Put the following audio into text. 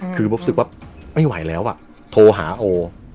คือรู้สึกว่าไม่ไหวแล้วโทรหาโอ